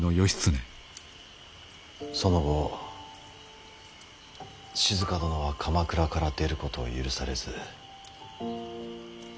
その後静殿は鎌倉から出ることを許されずよ